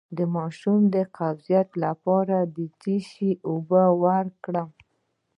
د ماشوم د قبضیت لپاره د څه شي اوبه ورکړم؟